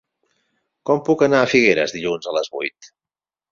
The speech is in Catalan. Com puc anar a Figueres dilluns a les vuit?